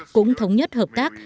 cũng thống nhất hợp tác